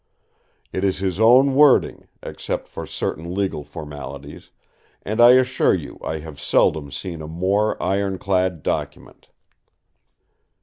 It is his own wording, except for certain legal formalities; and I assure you I have seldom seen a more iron clad document.